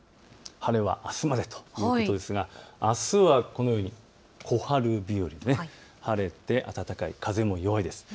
晴れはあすまでということですがあすはこのように小春日和、晴れて暖かい、風も弱いです。